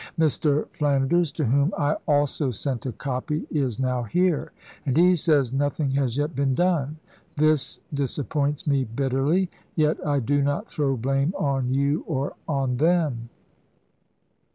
Mr. Flanders, to whom I also sent a copy, is now here, and he says nothing has yet been done. This disappoints me bitterly; yet I do not throw blame on you or on them.